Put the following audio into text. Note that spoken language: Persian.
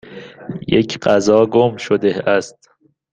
یک غذا گم شده است.